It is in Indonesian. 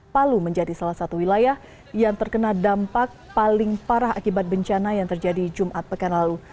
palu menjadi salah satu wilayah yang terkena dampak paling parah akibat bencana yang terjadi jumat pekan lalu